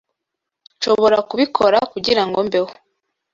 Nshobora kubikora kugirango mbeho.